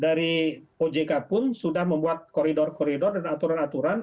dari ojk pun sudah membuat koridor koridor dan aturan aturan